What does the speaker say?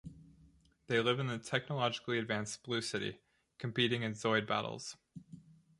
They live in the technologically advanced Blue City, competing in Zoid battles.